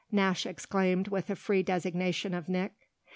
Nash exclaimed with a free designation of Nick.